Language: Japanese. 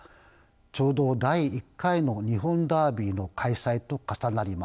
ちょうど第１回の日本ダービーの開催と重なります。